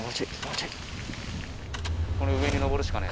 この上に上るしかねえ。